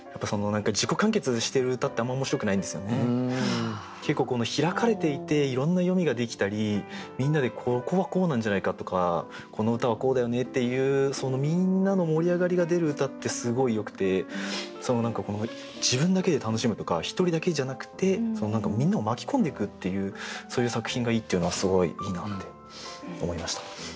やっぱり短歌も結構開かれていていろんな読みができたりみんなで「ここはこうなんじゃないか？」とか「この歌はこうだよね」っていう何か自分だけで楽しむとか１人だけじゃなくてみんなを巻き込んでいくっていうそういう作品がいいっていうのはすごいいいなって思いました。